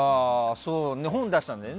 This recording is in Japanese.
本、出したんだよね。